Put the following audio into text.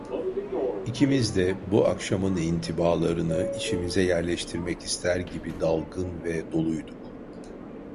İkimiz de, bu akşamın intibalarıni içimize yerleştirmek ister gibi dalgın ve doluyduk.